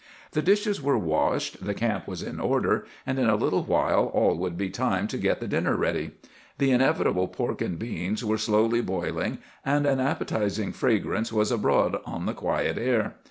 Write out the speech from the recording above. "The dishes were washed, the camp was in order, and in a little while it would be time to get the dinner ready. The inevitable pork and beans were slowly boiling, and an appetizing fragrance was abroad on the quiet air.